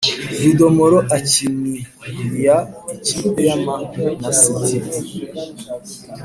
Rudomoro akiniria ikipe y’amanasiti